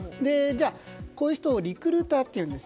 こういう人をリクルーターというんです。